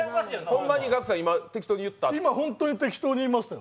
ほんまにガクさん、適当に言った？